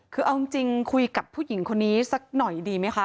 คือเอาจริงคุยกับผู้หญิงคนนี้สักหน่อยดีไหมคะ